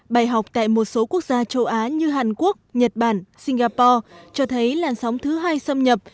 bài học tại một số quốc gia châu á như hàn quốc nhật bản singapore cho thấy làn sóng thứ hai xâm nhập